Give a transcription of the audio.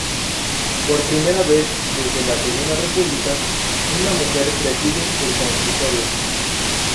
Por primera vez desde la Segunda República, una mujer preside el Consistorio.